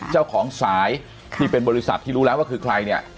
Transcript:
เจ้าของสายที่เป็นบริษัทที่รู้แล้วว่าคือใครเนี่ย